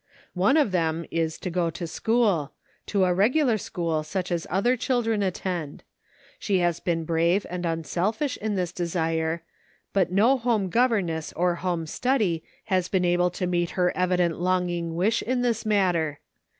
One of them is, to go to school ; to a regular "SO YOU WANT TO GO HOMEf' 177 school such as other children attend ; she has been brave and unselfish in this desire, but no home governess or home study has been able to meet her evident longing wish in this matter.